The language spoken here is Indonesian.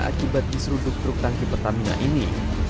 akibat diseruduk truk tangki pertamina ini